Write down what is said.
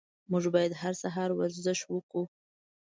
موږ باید هر سهار ورزش وکړو.